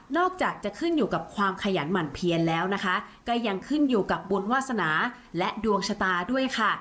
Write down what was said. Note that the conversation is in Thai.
อกจากจะขึ้นอยู่กับความขยันหมั่นเพียนแล้วนะคะก็ยังขึ้นอยู่กับบุญวาสนาและดวงชะตาด้วยค่ะ